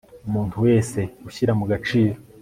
umuntu wese ushyira mu gaciro